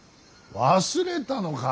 忘れたのか。